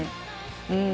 うん。